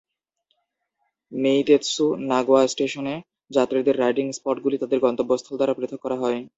মেইতেৎসু Nagoya স্টেশনে, যাত্রীদের riding স্পটগুলি তাদের গন্তব্যস্থল দ্বারা পৃথক করা হয়।